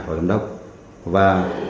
phó giám đốc và